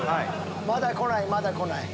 まだ来ないまだ来ない。